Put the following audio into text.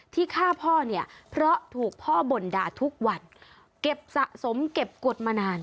ที่ฆ่าพ่อเนี่ยเพราะถูกพ่อบ่นด่าทุกวันเก็บสะสมเก็บกฎมานาน